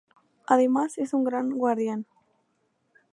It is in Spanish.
Además es un gran guardián.